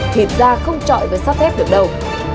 thì ra không trọi với sắp ép được đâu